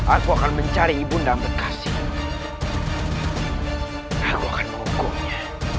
aku akan mencari yuda ambedkasi aku akan menghukumnya